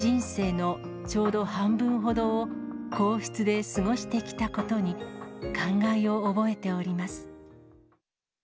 いつの間にか、人生のちょうど半分ほどを皇室で過ごしてきたことに感慨を覚えております。